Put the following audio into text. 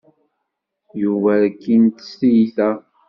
Yuba rkin-t s tyita.